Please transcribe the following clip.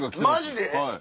マジで⁉